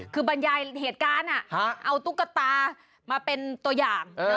คือบรรยายเหตุการณ์เอาตุ๊กตามาเป็นตัวอย่าง